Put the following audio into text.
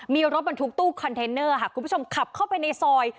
มีรถบรรทุกตู้คอนเทนเนอร์ค่ะคุณผู้ชมขับเข้าไปในซอย